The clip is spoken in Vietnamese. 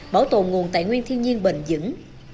bảo tồn nguồn tài nguyên thiên nhiên bền dững